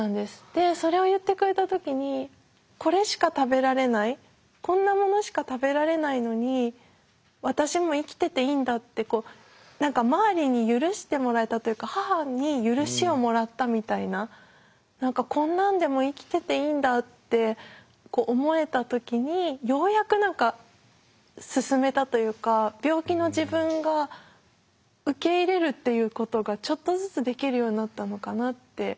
でそれを言ってくれた時にこれしか食べられないこんなものしか食べられないのに私も生きてていいんだってこう何か周りに許してもらえたというか母に許しをもらったみたいな何かこんなんでも生きてていいんだって思えた時にようやく何か進めたというか病気の自分が受け入れるっていうことがちょっとずつできるようになったのかなって。